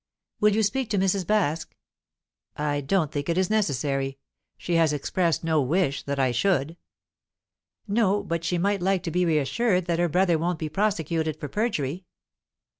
"Will you speak to Mrs. Baske?" "I don't think it is necessary. She has expressed no wish that I should?" "No; but she might like to be assured that her brother won't be prosecuted for perjury."